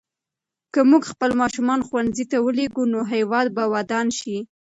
که موږ خپل ماشومان ښوونځي ته ولېږو نو هېواد به ودان شي.